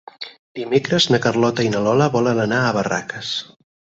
Dimecres na Carlota i na Lola volen anar a Barraques.